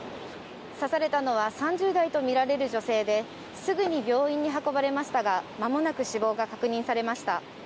刺されたのは３０代とみられる女性ですぐに病院に運ばれましたが間もなく死亡が確認されました。